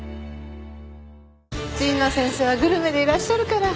神野先生はグルメでいらっしゃるから。